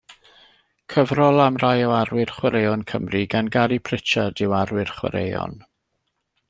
Cyfrol am rai o arwyr chwaraeon Cymru gan Gary Pritchard yw Arwyr Chwaraeon.